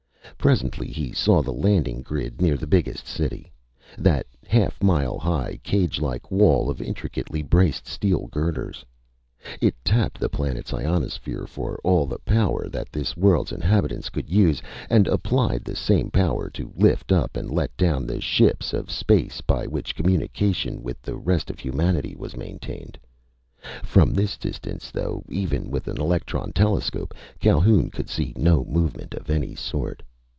Presently he saw the landing grid near the biggest city that half mile high, cagelike wall of intricately braced steel girders. It tapped the planet's ionosphere for all the power that this world's inhabitants could use, and applied the same power to lift up and let down the ships of space by which communication with the rest of humanity was maintained. From this distance, though, even with an electron telescope, Calhoun could see no movement of any sort.